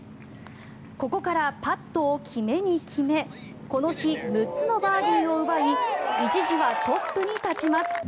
ここからパットを決めに決めこの日６つのバーディー奪い一時はトップに立ちます。